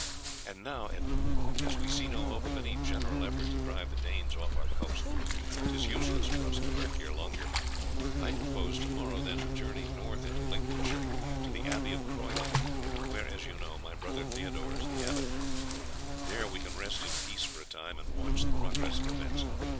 And now, Edmund, as we see no hope of any general effort to drive the Danes off our coasts, 'tis useless for us to lurk here longer. I propose to morrow, then, to journey north into Lincolnshire, to the Abbey of Croyland, where, as you know, my brother Theodore is the abbot; there we can rest in peace for a time, and watch the progress of events.